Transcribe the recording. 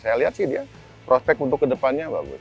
saya lihat sih dia prospek untuk kedepannya bagus